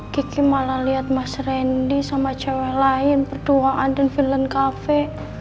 kiki malah lihat mas randy sama cewek lain berduaan dan vilain kafe